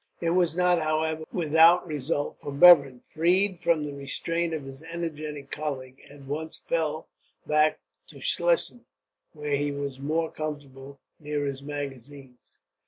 It was not, however, without result; for Bevern, freed from the restraint of his energetic colleague, at once fell back to Schlesien, where he was more comfortable, near his magazines.